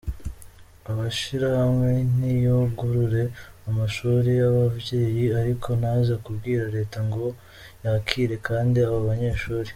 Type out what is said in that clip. "Amashirahamwe niyugurure amashuli y'abavyeyi ariko ntaze kubwira leta ngo yakire kandi abo banyeshuli.